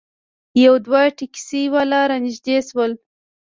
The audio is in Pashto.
یو دوه ټیکسي والا رانږدې شول.